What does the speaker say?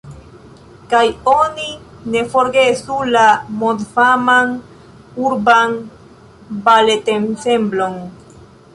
Kaj oni ne forgesu la mondfaman urban baletensemblon.